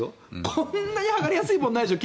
こんなに剥がれやすいものないでしょ。